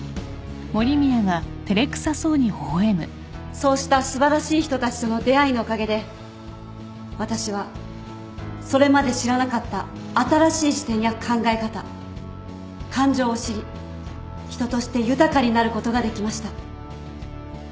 そうした素晴らしい人たちとの出会いのおかげで私はそれまで知らなかった新しい視点や考え方感情を知り人として豊かになることができました。